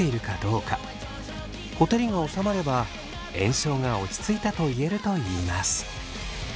ほてりがおさまれば炎症が落ち着いたと言えるといいます。